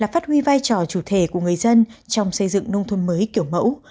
phát huy vai trò chủ thể của người dân trong xây dựng nông thôn mới kiểu mẫu